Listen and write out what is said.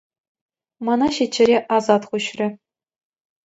Мана ҫиччӗре асат хуҫрӗ.